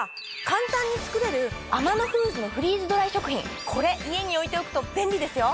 簡単に作れるアマノフーズのフリーズドライ食品これ家に置いておくと便利ですよ！